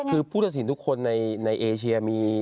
คือผู้ตัดสินทุกคนในเอเชียมี